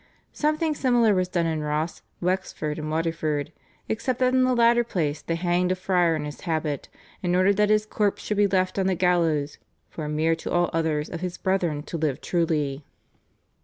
Something similar was done in Ross, Wexford, and Waterford, except that in the latter place they hanged a friar in his habit, and ordered that his corpse should be left on the gallows "for a mirror to all others of his brethren to live truly."